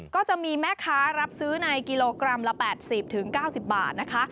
ก็จะมีแม่ค้ารับซื้อในกิโลกรัมละ๘๐๙๐บาทนะคะ